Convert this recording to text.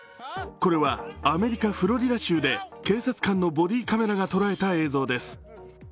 これはアメリカ・フロリダ州で警察官のボディカメラが捉えた映像です。